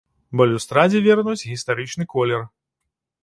Балюстрадзе вернуць гістарычны колер.